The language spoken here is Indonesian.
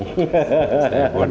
saya dari bandung